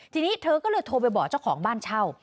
ทีนี้เธอก็เลยโทรไปบอกเจ้าของบ้านเช่า